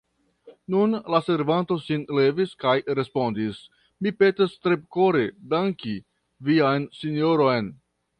Nun la servanto sin levis kaj respondis: Mi petas tre kore danki vian sinjoron.